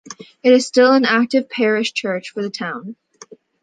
It is still an active parish church for the town.